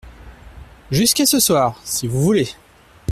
Jusqu’à ce soir, si vous voulez !…